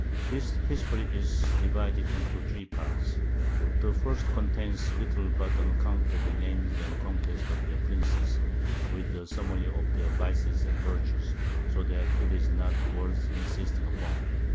This History is divided into 3 Parts; the first contains little but an Account of the Names and Conquests of their Princes, with a Summary of their Vices and Virtues, so that it is not worth insisting upon.